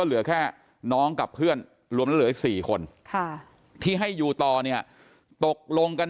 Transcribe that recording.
เหลือแค่น้องกับเพื่อนรวมแล้วเหลืออีก๔คนที่ให้อยู่ต่อเนี่ยตกลงกัน